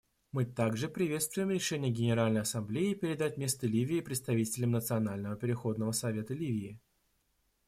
Мы также приветствуем решение Генеральной Ассамблеи передать место Ливии представителям Национального переходного совета Ливии.